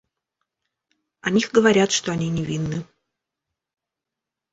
О них говорят, что они невинны.